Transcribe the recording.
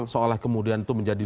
seolah kemudian itu menjadi